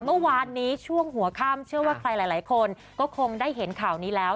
เมื่อวานนี้ช่วงหัวค่ำเชื่อว่าใครหลายคนก็คงได้เห็นข่าวนี้แล้ว